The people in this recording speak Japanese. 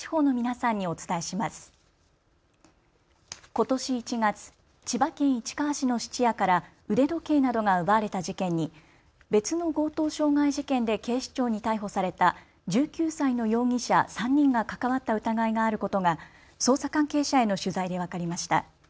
ことし１月、千葉県市川市の質屋から腕時計などが奪われた事件に別の強盗傷害事件で警視庁に逮捕された１９歳の容疑者３人が関わった疑いがあることが捜査関係者への取材で分かりました。